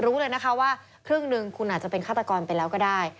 รู้เลยนะคะว่าครึ่งหนึ่งคุณอาจจะเป็นฆาตกรไปแล้วก็ได้